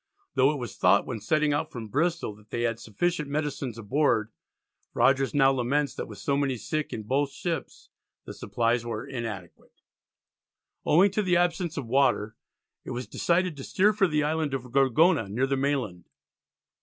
Though it was thought when setting out from Bristol that they had sufficient medicines aboard, Rogers now laments that with so many sick in both ships the supplies were inadequate. Owing to the absence of water it was decided to steer for the island of Gorgona, near the mainland.